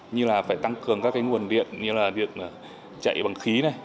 như là phải tăng cường các nguồn điện như là điện chạy bằng khí